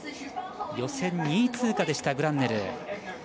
予選２位通過でしたグランネルー。